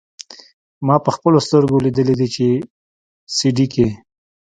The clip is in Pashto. ما پخپلو سترګو ليدلي دي په سي ډي کښې.